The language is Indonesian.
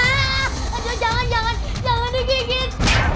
aduh jangan jangan jangan dijigit